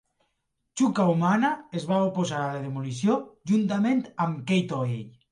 Chuka Umunna es va oposar a la demolició, juntament amb Kate Hoey.